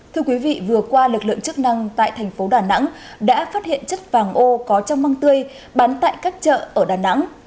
thưa quý vị vừa qua lực lượng chức năng tại thành phố đà nẵng đã phát hiện chất vàng ô có trong măng tươi bán tại các chợ ở đà nẵng